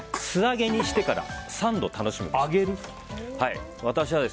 素揚げにしてから３度楽しむべし。